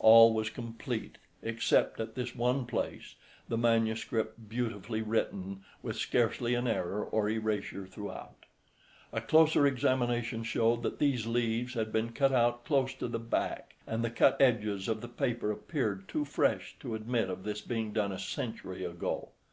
All was complete except at this one place, the manuscript beautifully written, with scarcely an error or erasure throughout. A closer examination showed that these leaves had been cut out close to the back, and the cut edges of the paper appeared too fresh to admit of this being done a century ago.